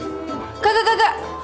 enggak enggak enggak